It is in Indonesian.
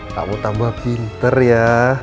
kamu tambah pinter ya